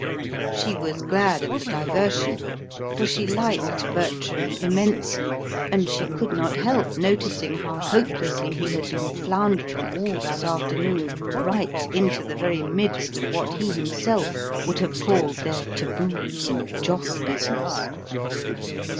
She was glad of the diversion, for she liked Bertram immensely, and she could not help noticing how hopelessly he had been floundering all that afternoon right into the very midst of what he himself would have called their taboos and joss business.